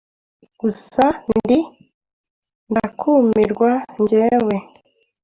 gusa ndi ndakumirwa njyewe